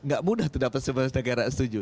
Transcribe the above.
gak mudah tuh dapat sebelas negara setuju